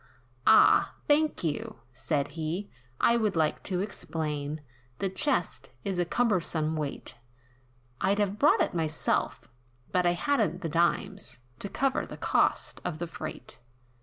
"Ah! thank you," said he, "I would like to explain, The chest, is a cumbersome weight, I'd have brought it myself; but I hadn't the dimes, To cover the cost of the freight.